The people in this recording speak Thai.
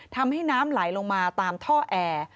ทำให้น้ำไหลลงมาตามท่อแอร์